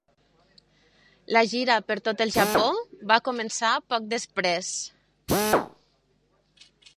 La gira per tot el Japó va començar poc després.